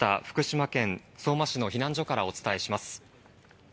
福島県相馬市の避難所からお伝えします。